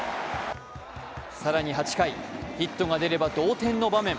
更に８回、ヒットで出れば同点の場面。